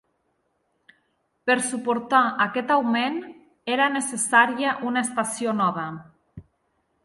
Per suportar aquest augment, era necessària una estació nova.